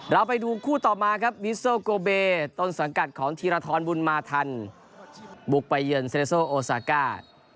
เราไปดูคู่ต่อมาครับมิสโซโกเบต้นสังกัดของธีรทรบุญมาทันบุกไปเยือนเซเลโซโอซาก้า